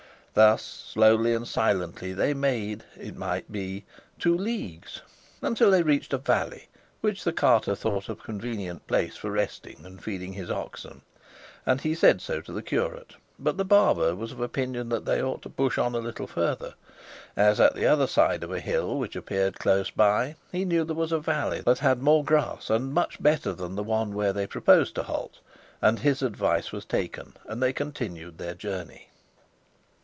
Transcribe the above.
Thus slowly and silently they made, it might be, two leagues, until they reached a valley which the carter thought a convenient place for resting and feeding his oxen, and he said so to the curate, but the barber was of opinion that they ought to push on a little farther, as at the other side of a hill which appeared close by he knew there was a valley that had more grass and much better than the one where they proposed to halt; and his advice was taken and they continued their journey.